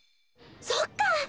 そっか！